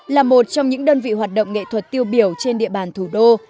là một trong những đơn vị hoạt động nghệ thuật tiêu biểu trên địa bàn thủ đô